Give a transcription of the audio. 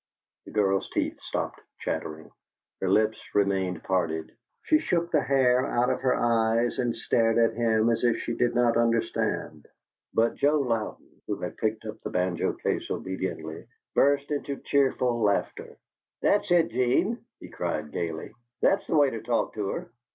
The girl's teeth stopped chattering, her lips remaining parted; she shook the hair out of her eyes and stared at him as if she did not understand, but Joe Louden, who had picked up the banjo case obediently, burst into cheerful laughter. "That's it, 'Gene," he cried, gayly. "That's the way to talk to her!"